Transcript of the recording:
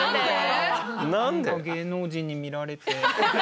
なんか芸能人に見られて。